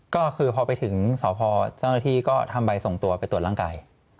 ก็คือพอไปถึงสพเจ้าหน้าที่ก็ทำใบส่งตัวไปตรวจร่างกาย